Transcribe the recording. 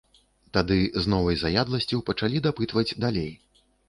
Тады з новай заядласцю пачалі дапытваць далей.